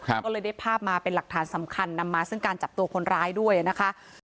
ก็เลยได้ภาพมาเป็นหลักฐานสำคัญนำมาซึ่งการจับตัวคนร้ายด้วยนะคะ